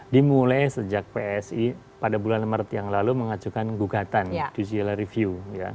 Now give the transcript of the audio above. dimulai sejak psi pada bulan maret yang lalu mengajukan gugatan judicial review